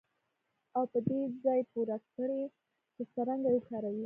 او په دې ځان پوه کړئ چې څرنګه یې وکاروئ